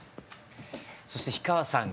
そして氷川さん